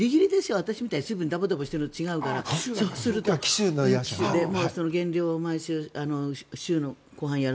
私みたいにダボダボしているのとは違うから減量を毎週、週の後半やる。